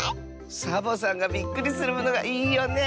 サボさんがびっくりするものがいいよねえ。